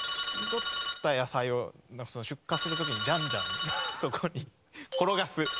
とった野菜を出荷する時にじゃんじゃんそこに転がす。